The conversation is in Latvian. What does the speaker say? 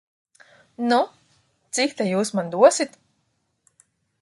Nu, cik ta jūs man dosit?